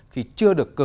khi chưa được thi công